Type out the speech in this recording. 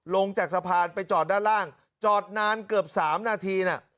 ลงจากสะพานไปจอดด้านล่างจอดนานเกือบ๓นาทีน่ะ